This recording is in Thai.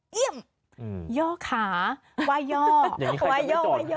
เยี่ยมย่อขาไหว่ย่อไหว่ย่อไหว่ย่อ